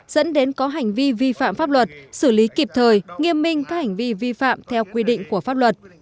dẫn đến có hành vi vi phạm pháp luật xử lý kịp thời nghiêm minh các hành vi vi phạm theo quy định của pháp luật